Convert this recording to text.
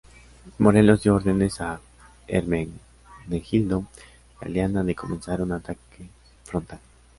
Morelos dio órdenes a Hermenegildo Galeana de comenzar un ataque frontal.